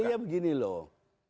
artinya begini loh